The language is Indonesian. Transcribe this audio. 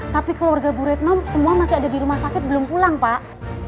tapi keluarga bu retno semua masih ada di rumah sakit belum pulang pak